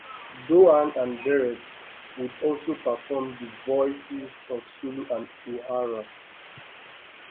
Doohan and Barrett would also perform the voices of Sulu and Uhura.